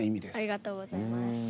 ありがとうございます。